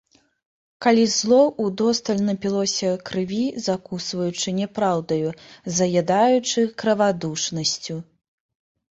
Калі зло ўдосталь напілося крыві, закусваючы няпраўдаю, заядаючы крывадушнасцю.